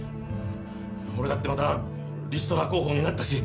俺だってまたリストラ候補になったし。